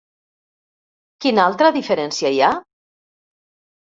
Quina altra diferència hi ha?